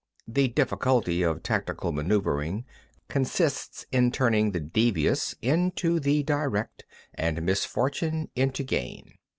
The difficulty of tactical manœuvering consists in turning the devious into the direct, and misfortune into gain.